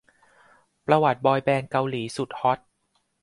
ประวัติบอยแบนด์เกาหลีสุดฮอต